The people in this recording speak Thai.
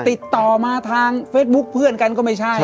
ติดต่อมาทางเฟซบุ๊คเพื่อนกันก็ไม่ใช่